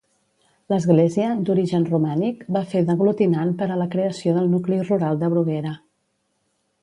L'església, d'origen romànic, va fer d'aglutinant per a la creació del nucli rural de Bruguera.